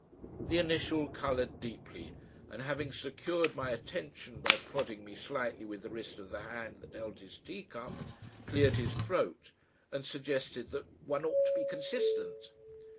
The initial coloured deeply, and having secured my attention by prodding me slightly with the wrist of the hand that held his teacup, cleared his throat and suggested that "one ought to be consistent."